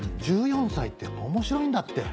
１４歳ってやっぱ面白いんだって。